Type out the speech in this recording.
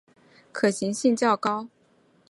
可行性较高